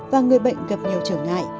và người bệnh gặp nhiều trở ngại